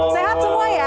sehat semua ya